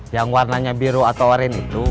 yang warnanya biru atau orin itu